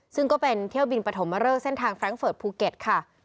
ซึ่งก็เป็นเที่ยวบินปฐมเริกเส้นทางแร้งเฟิร์ตภูเก็ตค่ะ